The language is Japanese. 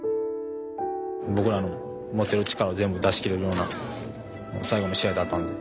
僕らの持てる力を全部出しきれるような最後の試合だったんで。